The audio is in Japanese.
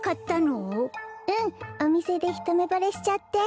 うんおみせでひとめぼれしちゃって。